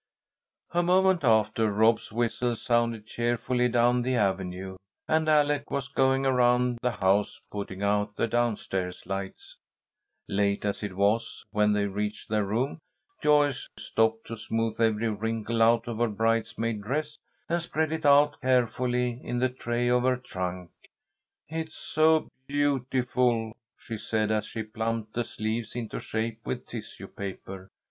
A moment after, Rob's whistle sounded cheerfully down the avenue and Alec was going around the house, putting out the down stairs lights. Late as it was, when they reached their room, Joyce stopped to smooth every wrinkle out of her bridesmaid dress, and spread it out carefully in the tray of her trunk. "It is so beautiful," she said, as she plumped the sleeves into shape with tissue paper.